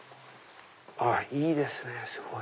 いいですねすごい！